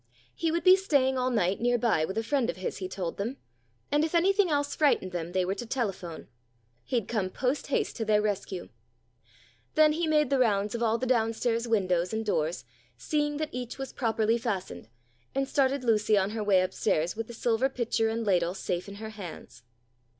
He would be staying all night near by, with a friend of his, he told them, and if anything else frightened them they were to telephone. He'd come post haste to their rescue. Then he made the rounds of all the down stairs windows and doors, seeing that each was properly fastened, and started Lucy on her way up stairs with the silver pitcher and ladle safe in her hands.